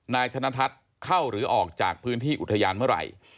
นายธนทัศน์เข้าหรือออกจากพื้นที่อุทยานเมื่อไหร่